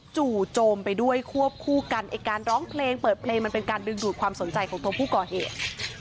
จู่โจมไปด้วยควบคู่กันไอ้การร้องเพลงเปิดเพลงมันเป็นการดึงดูดความสนใจของตัวผู้ก่อเหตุ